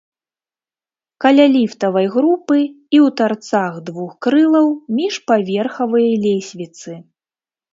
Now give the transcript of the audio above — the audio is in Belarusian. Каля ліфтавай групы і ў тарцах двух крылаў міжпаверхавыя лесвіцы.